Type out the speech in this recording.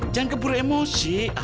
jangan keburu emosi